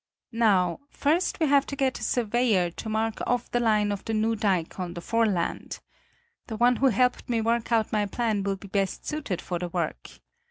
Now first we have to get a surveyor to mark off the line of the new dike on the foreland. The one who helped me work out my plan will be best suited for the work.